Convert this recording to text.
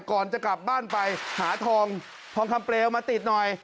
ก่อนจะกลับบ้านไปหาทองทองคำเปลวมาติดหน่อย